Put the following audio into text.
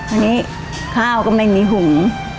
อันนี้ข้าวก็ไม่มีหุง